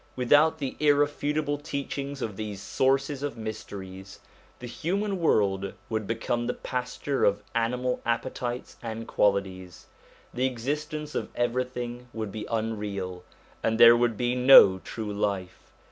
Without the irrefutable teachings of those Sources of mysteries, the human world would become the pasture of animal appetites and qualities, the exist ence of everything would be unreal, and there would be no true life.